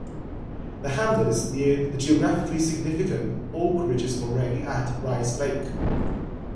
The hamlet is near the geographically significant Oak Ridges Moraine at Rice Lake.